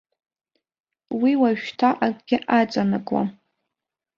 Уи уажәшьҭа акгьы аҵанакуам.